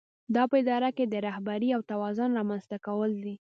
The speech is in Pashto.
دا په اداره کې د رهبرۍ او توازن رامنځته کول دي.